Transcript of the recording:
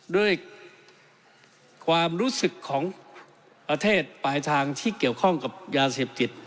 ด้วยความรู้สึกของประเทศปลายทางที่เกี่ยวข้องกับยาเสพติด